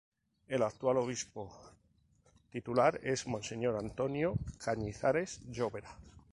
El actual obispo titular es monseñor Antonio Cañizares Llovera.